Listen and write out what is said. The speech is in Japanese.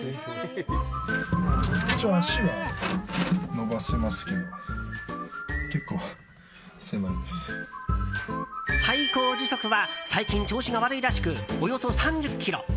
足は伸ばせますけど最高時速は最近調子が悪いらしくおよそ３０キロ。